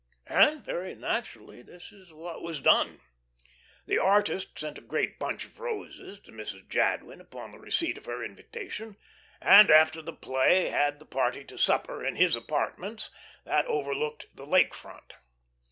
And very naturally this is what was done. The artist sent a great bunch of roses to Mrs. Jadwin upon the receipt of her invitation, and after the play had the party to supper in his apartments, that overlooked the Lake Front.